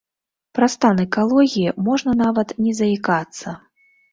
Пра стан экалогіі можна нават не заікацца.